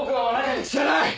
知らない！